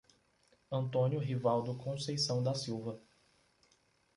Antônio Rivaldo Conceição da Silva